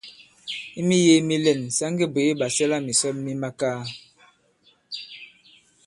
I miyēē mi lɛ̂n, sa ŋge bwě ɓàsɛlamìsɔn mi makaa.